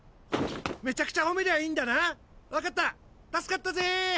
めちゃくちゃほめりゃいいんだなわかった助かったぜぇ！